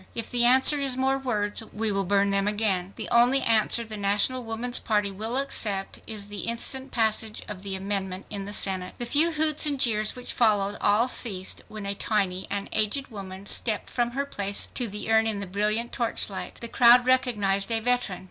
If the answer is more words we will burn them again. The only answer the National Woman's Party will accept is the instant passage of the amendment in the Senate." The few hoots and jeers which followed all ceased, when a tiny and aged woman stepped from her place to the urn in the brilliant torch light. The crowd recognized a veteran.